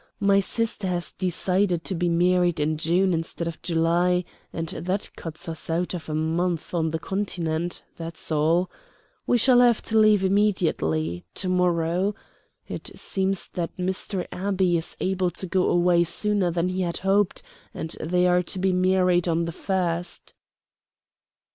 My sister has decided to be married in June instead of July, and that cuts us out of a month on the Continent. That's all. We shall have to leave immediately tomorrow. It seems that Mr. Abbey is able to go away sooner than he had hoped, and they are to be married on the first."